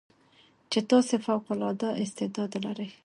چې تاسې فوق العاده استعداد لرٸ